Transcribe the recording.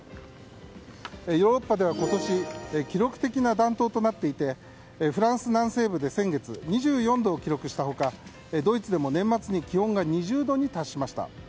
ヨーロッパでは今年記録的な暖冬となっていてフランス南西部で先月２４度を記録した他ドイツでも年末に気温が２０度に達しました。